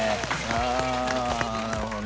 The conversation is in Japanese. あなるほどね。